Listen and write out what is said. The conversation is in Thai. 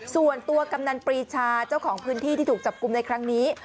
กำนันปรีชาเจ้าของพื้นที่ที่ถูกจับกลุ่มในครั้งนี้